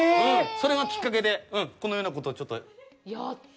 それがきっかけでこのようなことをちょっと。